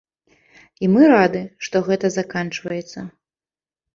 І мы рады, што гэта заканчваецца.